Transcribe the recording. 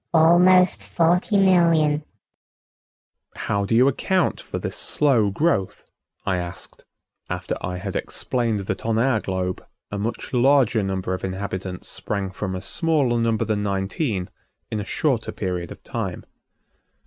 "Almost forty million." "How do you account for this slow growth?" I asked after I had explained that on our globe a much larger number of inhabitants sprang from a smaller number than nineteen in a shorter period of time.